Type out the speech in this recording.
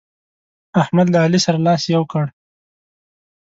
احمد له علي سره لاس يو کړ.